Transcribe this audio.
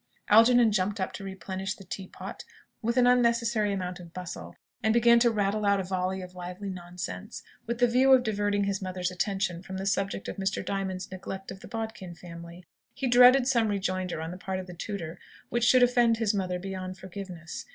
Algernon jumped up to replenish the tea pot, with an unnecessary amount of bustle, and began to rattle out a volley of lively nonsense, with the view of diverting his mother's attention from the subject of Mr. Diamond's neglect of the Bodkin family. He dreaded some rejoinder on the part of the tutor which should offend his mother beyond forgiveness.